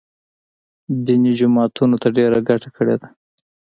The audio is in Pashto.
دیني جماعتونو ته ډېره ګټه کړې ده